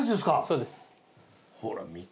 そうです。